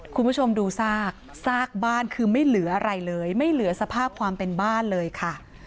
คุณผู้ชมดูซากซากบ้านคือไม่เหลืออะไรเลยไม่เหลือสภาพความเป็นบ้านเลยค่ะ